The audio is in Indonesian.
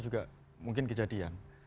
juga mungkin kejadian